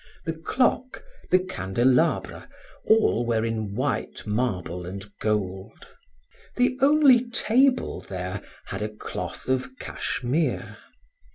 The clock, the candelabra, all were in white marble and gold. The only table there had a cloth of cashmere.